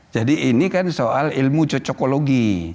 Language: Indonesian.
jadi ini kan soal ilmu cocokologi